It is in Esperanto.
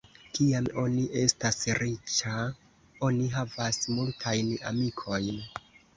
Kiam oni estas riĉa, oni havas multajn amikojn.